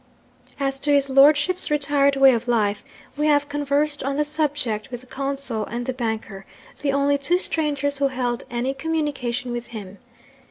'As to his lordship's retired way of life, we have conversed on the subject with the consul and the banker the only two strangers who held any communication with him.